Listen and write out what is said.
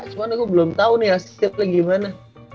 cuman gue belum tau nih hasilnya gimana